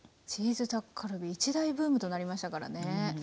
チーズタッカルビ一大ブームとなりましたからね。